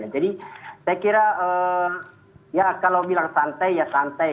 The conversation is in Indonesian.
jadi saya kira kalau bilang santai ya santai